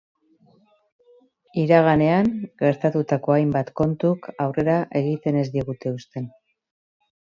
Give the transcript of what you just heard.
Iraganean gertatuko hainbat kontuk aurrera egiten ez digute uzten.